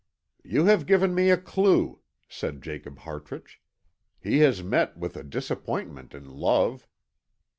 "You have given me a clue," said Jacob Hartrich; "he has met with a disappointment in love."